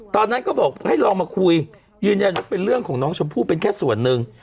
ตอนนั้นก็บอกให้ลองมาคุยยืนยันว่าเป็นเรื่องของน้องชมพู่เป็นแค่ส่วนหนึ่ง